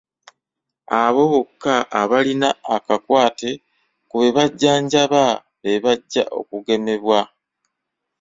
Abo bokka abalina akakwate ku be bajjanjaba be bajja okugemebwa.